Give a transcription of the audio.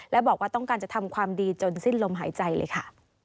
และบอกว่าต้องการจะทำความดีจนสิ้นลมหายใจเลยค่ะ